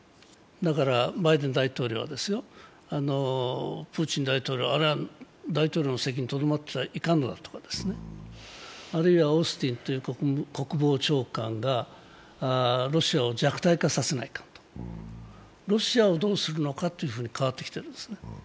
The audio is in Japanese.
だからバイデン大統領は、プーチン大統領は大統領の席にとどまっていてはいけないんだとか、あるいはオースティン国防長官がロシアを弱体化させないといかんと、ロシアをどうするのかというのに変わってきてるんですね。